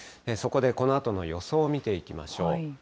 そこでこのあとの予想を見ていきましょう。